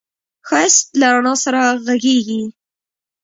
ښایست له رڼا سره غږېږي